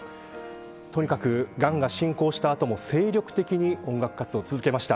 とにかく、がんが進行した後も精力的に音楽活動を続けました。